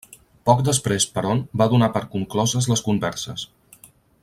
Poc després Perón va donar per concloses les converses.